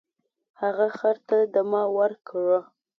هغه خر ته دمه ورکړه.